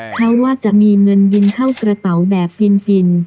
เพราะว่าจะมีเงินบินเข้ากระเป๋าแบบฟิน